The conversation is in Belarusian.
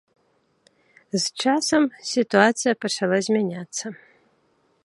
З часам, сітуацыя пачала змяняцца.